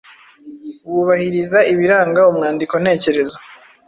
wubahiriza ibiranga umwandiko ntekerezo.